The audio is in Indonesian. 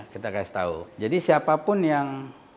kita kasih tahu jadi siapapun yang